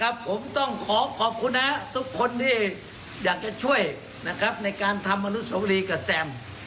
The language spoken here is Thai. ผมต้องขอขอบคุณนะทุกคนที่อยากจะช่วยนะครับในการทำอนุสวรีกับแซม